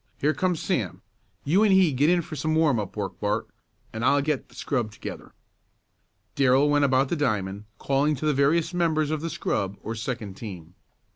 Here comes Sam. You and he get in for some warm up work, Bart, and I'll get the scrub together." Darrell went about the diamond, calling to the various members of the "scrub," or second team.